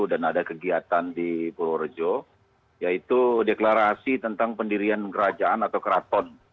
dan ada kegiatan di purworejo yaitu deklarasi tentang pendirian kerajaan atau keraton